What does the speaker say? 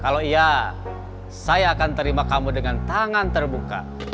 kalau iya saya akan terima kamu dengan tangan terbuka